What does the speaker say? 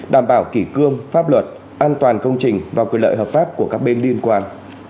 đảm bảo kỷ cương pháp luật an toàn công trình và quyền lợi hợp pháp của các bên liên quan